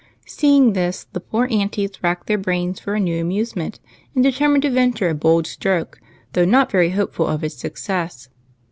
Seeing this, the poor aunties racked their brains for a new aniusement, and determined to venture a bold stroke, though not very hopeful of its success.